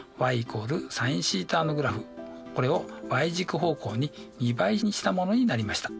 これをｙ軸方向に２倍にしたものになりました。